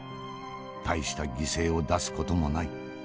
大した犠牲を出す事もない。